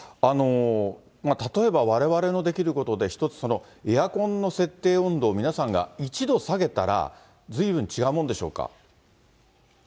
例えばわれわれのできることで、１つ、エアコンの設定温度を皆さんが１度下げたら、ずいぶん違うもんでしょうか。